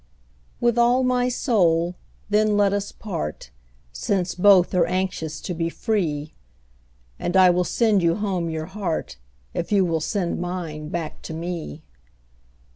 With all my soul, then, let us part, Since both are anxious to be free; And I will sand you home your heart, If you will send mine back to me.